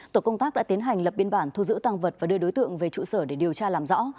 tổ công tác đã tiến hành lập biên bản thu giữ tăng vật và đưa đối tượng về trụ sở để điều tra làm rõ